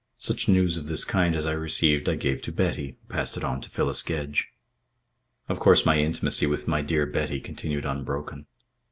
Such news of this kind as I received I gave to Betty, who passed it on to Phyllis Gedge. Of course my intimacy with my dear Betty continued unbroken.